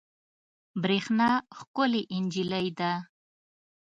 برېښنا ښکلې انجلۍ ده